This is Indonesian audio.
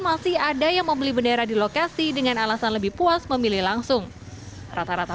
masih ada yang membeli bendera di lokasi dengan alasan lebih puas memilih langsung rata rata